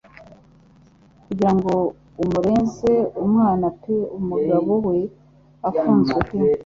Kugira ngo amureze-umwana pe Umugabo we ufunzwe pe